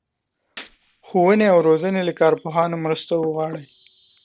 ښوونې او روزنې له کارپوهانو مرسته وغواړي.